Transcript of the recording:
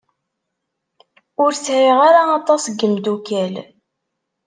Ur sɛiɣ ara aṭas n yimeddukal.